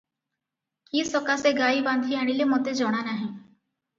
କି ସକାଶେ ଗାଈ ବାନ୍ଧିଆଣିଲେ ମୋତେ ଜଣାନାହିଁ ।